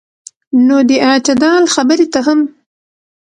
نو د اعتدال خبرې ته هم